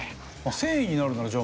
繊維になるならじゃあ